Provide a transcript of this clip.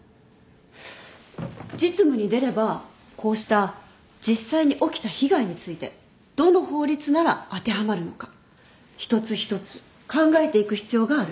実務に出ればこうした実際に起きた被害についてどの法律なら当てはまるのか一つ一つ考えていく必要がある。